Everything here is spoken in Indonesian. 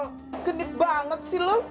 gemit banget sih lu